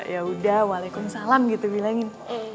yaudah waalaikumsalam gitu bilangin